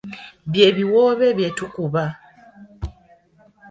Bye biwoobe bye tukuba.